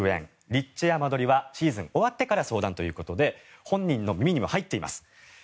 立地や間取りはシーズン終わってから相談ということで本人の耳にも入っています。